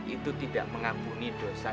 itu tidak mengampuni dosa